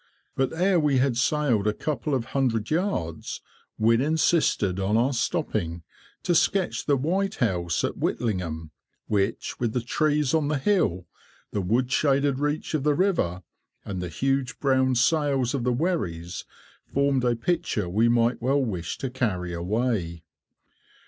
But ere we had sailed a couple of hundred yards, Wynne insisted on our stopping to sketch the White House, at Whitlingham, which, with the trees on the hill, the wood shaded reach of river, and the huge brown sails of the wherries, formed a picture we might well wish to carry away.